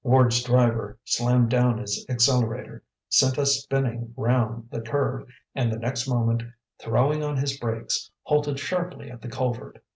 Ward's driver slammed down his accelerator, sent us spinning round the curve, and the next moment, throwing on his brakes, halted sharply at the culvert.